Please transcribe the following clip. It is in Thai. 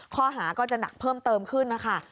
ข้อหาก็จะหนักเพิ่มเติมขึ้นนะคะ